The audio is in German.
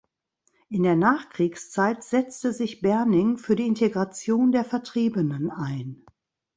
In der Nachkriegszeit setzte sich Berning für die Integration der Vertriebenen ein.